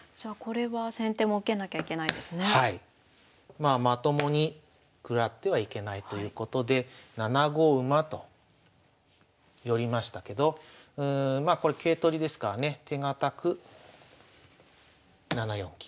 まあまともに食らってはいけないということで７五馬と寄りましたけどまあこれ桂取りですからね手堅く７四金と。